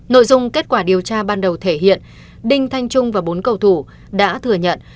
nội dung kết quả điều tra ban đầu thể hiện đinh thanh trung và bốn cầu thủ đã thừa nhận